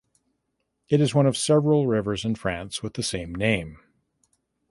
It is one of several rivers in France with the same name.